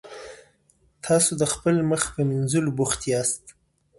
تاسو د خپل مخ په مینځلو بوخت یاست.